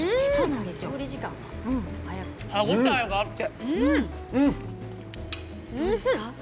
歯応えがあって。